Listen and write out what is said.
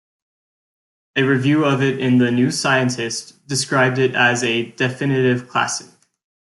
A review of it in the "New Scientist" described it as a "definitive classic".